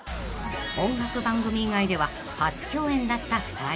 ［音楽番組以外では初共演だった２人］